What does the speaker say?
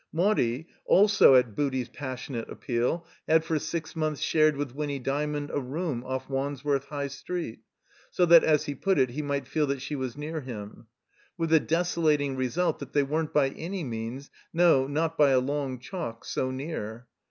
Maudie, also at Booty's passionate appeal, had for six months shared with Winny Dymond a room off Wandsworth High Street, so that, as he put it, he might fed that she was near him; with the desolating result that they weren't by any means, no, not by a long chalk, so near.